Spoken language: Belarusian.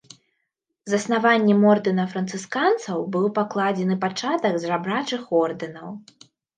Заснаваннем ордэна францысканцаў быў пакладзены пачатак жабрачых ордэнаў.